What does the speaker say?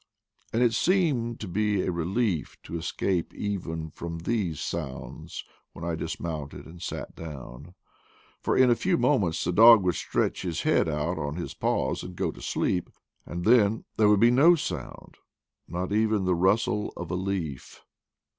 And it seemed to be a relief to escape even from these sounds when I dismounted and sat down: for in a few moments the dog would stretch his head out on his paws and go to sleep, and thfen there would be no sound, not even the rustle of a leaf.